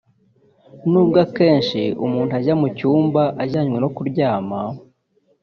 n’ubwo akenshi umuntu ajya mu cyumba ajyanwe no kuryama